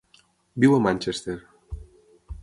Viu a Manchester.